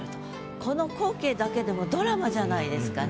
この光景だけでもドラマじゃないですかね。